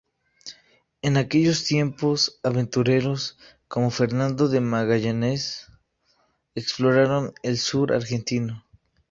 En aquellos tiempos, aventureros como Fernando de Magallanes exploraron el sur argentino.